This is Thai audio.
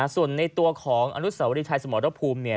ส่วนในตัวของอรุณสวรรค์ไทยสมรรพภูมิ